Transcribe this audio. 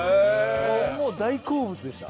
もう大好物でした。